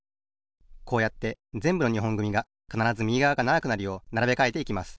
こうやってぜんぶの２ほんぐみがかならずみぎがわがながくなるようならべかえていきます。